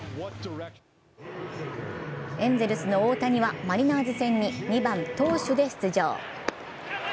エンゼルスの大谷はマリナーズ戦に２番・投手で出場。